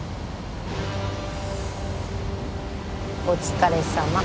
お疲れさま。